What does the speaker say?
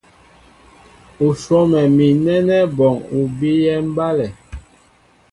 U swɔ́mɛ mi nɛ́nɛ́ bɔŋ u bíyɛ́ mbálɛ.